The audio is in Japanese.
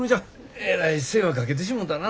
えらい世話かけてしもたな。